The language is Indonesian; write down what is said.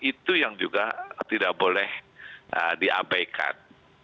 itu yang juga tidak boleh diabaikan